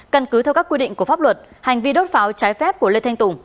căn cứ theo các quy định của pháp luật hành vi đốt pháo trái phép của lê thanh tùng